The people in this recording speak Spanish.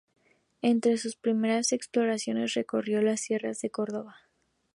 Entre sus primeras exploraciones recorrió las sierras de Córdoba.